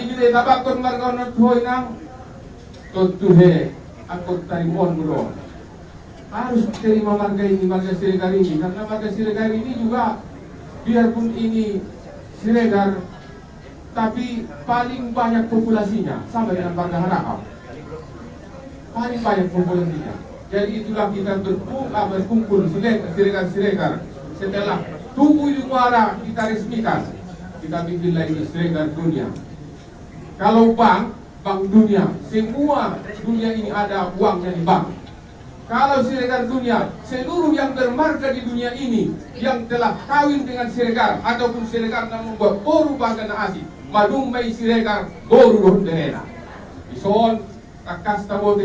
untuk menyaksikan dan mendukung agar raja panusunan nurung dapat merespui dengan sepuluh kaki